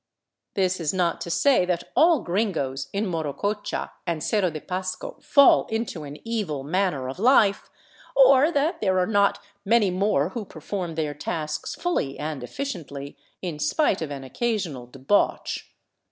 This is not to say that all gringos in Morococha and Cerro de Pasco fall into an evil manner of life, or that there are not many more who perform their tasks fully and efficiently, in spite of an occasional debauch.